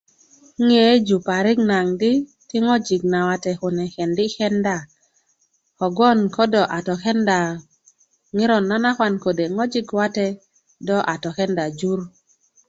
nan yeyeju parik naŋ di ti ŋojik na wate kune kendikenda kogon ko do a tokenda ŋiro na nakwan ko de ŋawajik na wate do a tokenda gur